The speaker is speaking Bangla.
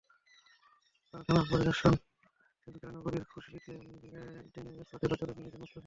কারখানা পরিদর্শন শেষে বিকেলে নগরীর খুলশীতে ডেনিম এক্সপার্টের কার্যালয়ে নিয়ে যান মোস্তাফিজ।